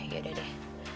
ya udah deh